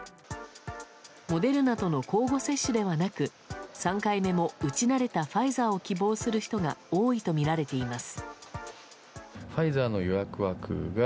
モデルナとの交互接種ではなく３回目も打ち慣れたファイザーを希望する人が多いとみられています。